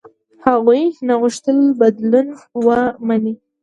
هغوی نه غوښتل بدلون ومني.